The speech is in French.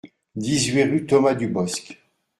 dix-huit rue Thomas Dubosc